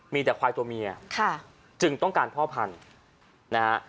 มีแต่ควายตัวเมียค่ะจึงต้องการพ่อพันธุ์นะฮะ